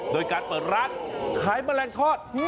โดยการเปิดร้านขายแมลงทอด